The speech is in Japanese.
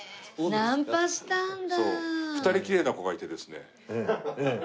ナンパしたんだ。